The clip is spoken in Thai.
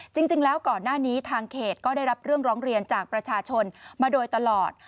จริงแล้วก่อนหน้านี้ทางเขตก็ได้รับเรื่องร้องเรียนจากประชาชนมาโดยตลอด